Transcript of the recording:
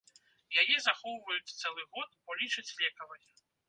Яе захоўваюць цэлы год, бо лічаць лекавай.